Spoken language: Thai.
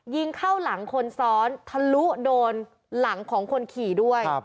ยิงเข้าหลังคนซ้อนทะลุโดนหลังของคนขี่ด้วย